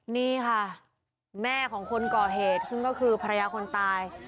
นี่ค่ะแม่ของคนก่อเหตุซึ่งก็คือภรรยาคนตาย